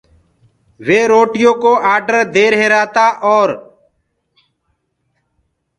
وي روٽيو ڪو آڊر دي ريهرآ تآ اور